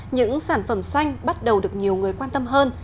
những sản phẩm xanh bắt đầu được nhiều người quan tâm hơn